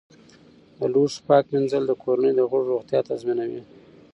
د لوښو پاک مینځل د کورنۍ د غړو روغتیا تضمینوي.